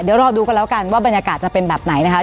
เดี๋ยวรอดูกันแล้วกันว่าบรรยากาศจะเป็นแบบไหนนะคะ